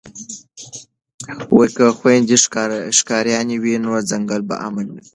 که خویندې ښکاریانې وي نو ځنګل به امن نه وي.